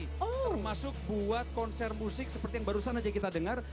termasuk buat konser musik seperti yang barusan aja kita dengar